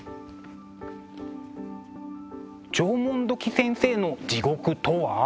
縄文土器先生の地獄とは？